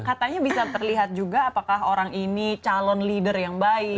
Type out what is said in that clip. katanya bisa terlihat juga apakah orang ini calon leader yang baik